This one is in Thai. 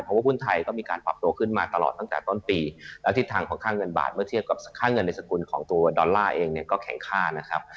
เพราะว่าหุ้นไทยก็มีการปรับตัวขึ้นมาตลอดตั้งแต่ต้นปีแล้วทิศทางของค่าเงินบาทเมื่อเทียบกับค่าเงินในสกุลของตัวดอลลาร์เองเนี่ยก็แข็งค่านะครับ